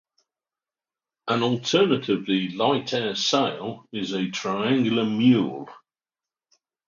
An alternatively light-air sail is a triangular mule.